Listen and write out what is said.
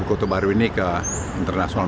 untuk membantu promosikan ikn ke dunia internasional